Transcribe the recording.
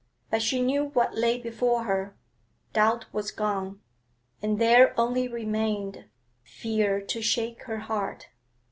But she knew what lay before her; doubt was gone, and there only remained fear to shake her heart.